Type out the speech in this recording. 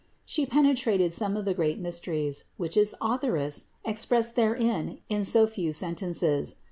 She penetrated some of the great mysteries, which its Authoress expressed therein in so few sen tences.